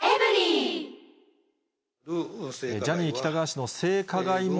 ジャニー喜多川氏の性加害問